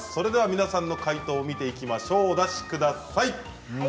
皆さんの解答を見ていきましょうお出しください。